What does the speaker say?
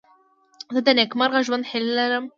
زه د نېکمرغه ژوند هیله لرم.